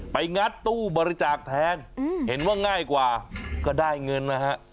งัดตู้บริจาคแทนเห็นว่าง่ายกว่าก็ได้เงินนะฮะ